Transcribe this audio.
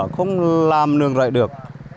không làm nướng rạy được